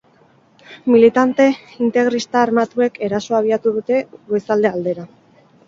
Militante integrista armatuek erasoa abiatu dute goizalde aldera.